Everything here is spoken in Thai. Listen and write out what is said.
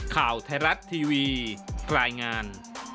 ข่าวไทยรัฐทีวีรายงาน